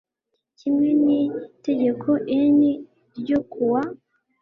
kimwe n itegeko N ryo ku wa